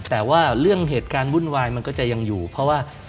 แต่ว่าเรื่องเหตุการณ์วุ่นวายมันก็จะยังอยู่เพราะว่า